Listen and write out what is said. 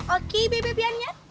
oke bebepian ya